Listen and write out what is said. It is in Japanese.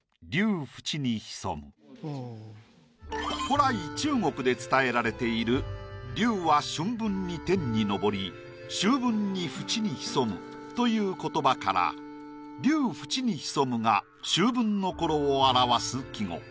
古来中国で伝えられている「龍は春分に天に昇り秋分に淵に潜む」という言葉から「龍淵に潜む」が秋分のころを表す季語。